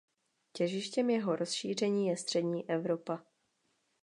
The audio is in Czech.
Těžištěm jeho rozšíření je střední Evropa.